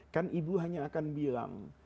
kan ibu hanya akan bilang